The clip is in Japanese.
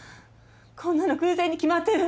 こんなの偶然に決まってる。